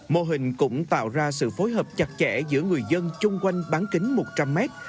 mô hình cũng tạo ra sự phối hợp chặt chẽ giữa người dân chung quanh bán kính một trăm linh mét